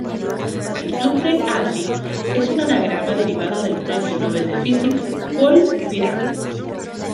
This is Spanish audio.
El nombre Adric es un anagrama derivado del premio Nobel de física Paul Dirac.